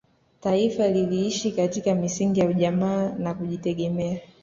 taifa liliishi katika misingi ya ujamaa na kujitegemea